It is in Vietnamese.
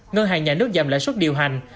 ngân hàng nhà nước giảm lãi suất điều hành